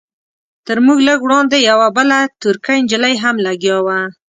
تر موږ لږ وړاندې یوه بله ترکۍ نجلۍ هم لګیا وه.